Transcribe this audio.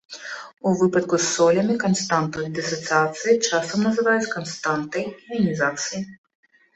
У выпадку з солямі, канстанту дысацыяцыі часам называюць канстантай іанізацыі.